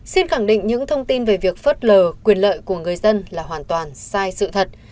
xin khẳng định những thông tin về việc phớt lờ quyền lợi của người dân là hoàn toàn sai sự thật